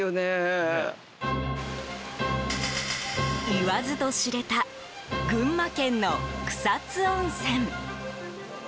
いわずと知れた群馬県の草津温泉。